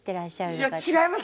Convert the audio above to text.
いや違います